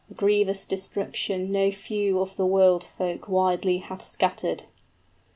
A grievous destruction 45 No few of the world folk widely hath scattered!"